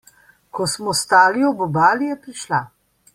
Ko smo stali ob obali, je prišla.